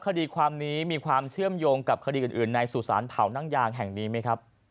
คดีความนี้มีความเชื่อมโยงกับคดีอื่นในสุสานเผานั่งยางแห่งนี้ไหมครับ